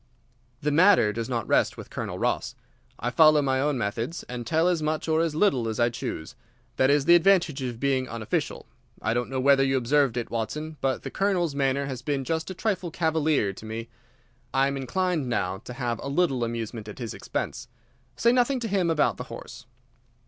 "The matter does not rest with Colonel Ross. I follow my own methods, and tell as much or as little as I choose. That is the advantage of being unofficial. I don't know whether you observed it, Watson, but the Colonel's manner has been just a trifle cavalier to me. I am inclined now to have a little amusement at his expense. Say nothing to him about the horse."